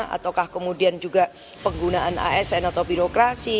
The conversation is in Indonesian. ataukah kemudian juga penggunaan asn atau birokrasi